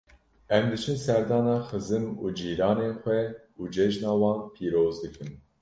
Em diçin serdana xizim û cîranên xwe û cejna wan pîroz dikin.